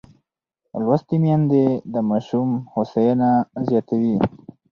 لوستې میندې د ماشوم هوساینه زیاتوي.